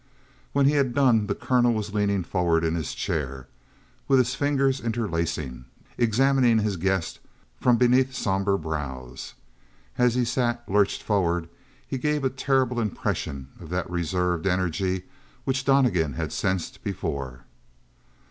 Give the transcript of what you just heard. When he had done, the colonel was leaning forward in his chair with his fingers interlacing, examining his guest from beneath somber brows. As he sat lurched forward he gave a terrible impression of that reserved energy which Donnegan had sensed before.